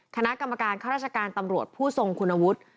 คณะกรรมการข้าราชการตำรวจผู้ทรงคุณวุฒิ